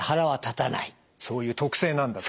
そういう特性なんだと。